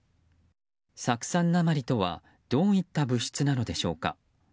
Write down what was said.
酢酸鉛とはどういった物質なのでしょうか。